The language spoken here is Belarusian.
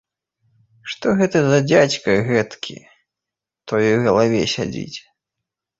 Што гэта за дзядзька гэтакі ў тваёй галаве сядзіць?